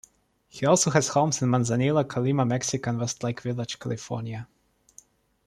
He also has homes in Manzanillo, Colima, Mexico, and Westlake Village, California.